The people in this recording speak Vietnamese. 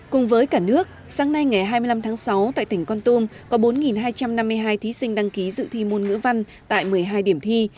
cùng với cả nước sáng nay ngày hai mươi năm tháng sáu tại tỉnh con tum có bốn hai trăm năm mươi hai thí sinh đăng ký dự thi môn ngữ văn tại một mươi hai điểm thi